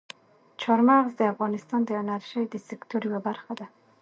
چار مغز د افغانستان د انرژۍ د سکتور یوه برخه ده.